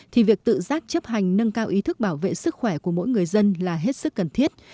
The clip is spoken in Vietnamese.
thì việc tự giác chấp hành nâng cao ý thức bảo vệ sức khỏe của mỗi người dân là hết sức cần thiết